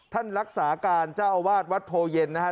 ท่านรักษาการเจ้าอาวาสวัดโพเย็นนะครับ